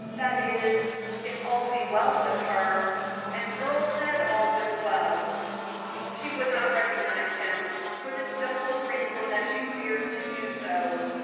that is, if all be well with her; and Earle said all was well." She would not recognize him, for the simple reason that she feared to do so.